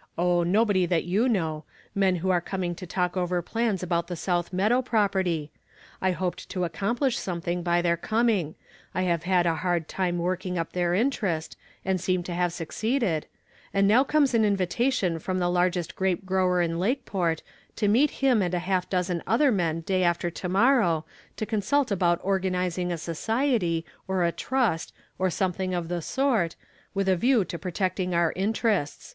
" Oh, nol)ody that you know ; men who are coming to talk over plans about the south meadow property. I hoped to accomplish something by their coming ; I have had a hard time working up their interest, and seem to have succeeded ; and now comes an invitation from the largest grape grower in Lakeport, to meet him and a half dozen other men day after to morrow to consult about organizing a society, or a trust, or something of the sort, with a view to protecting our interests.